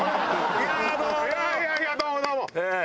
いやいやいやどうもどうも！